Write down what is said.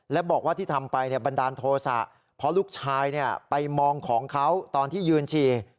และบอกว่าที่ทำไปบันดาลโทษะเพราะลูกชายไปมองของเขาตอนที่ยืนฉี่